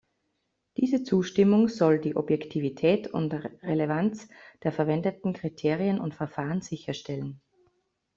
Diese Zustimmung soll die Objektivität und Relevanz der verwendeten Kriterien und Verfahren sicherstellen.